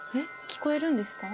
聞こえるんですか？